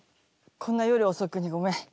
こんな夜遅くにごめん。